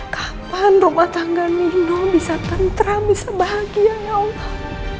kapan rumah tangga nikno bisa tentram bisa bahagia ya allah